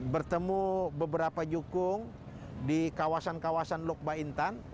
bertemu beberapa jukung di kawasan kawasan lukba intan